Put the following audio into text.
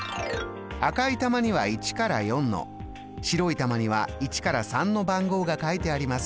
赤い玉には１から４の白い玉には１から３の番号が書いてあります。